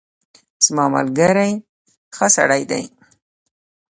زما ملګری ښه سړی دی.